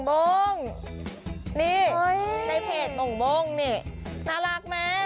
โบ้งนี่ในเพจม่งนี่น่ารักไหม